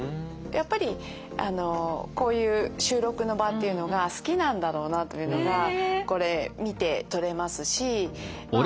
やっぱりあのこういう収録の場っていうのが好きなんだろうなというのがこれ見て取れますしま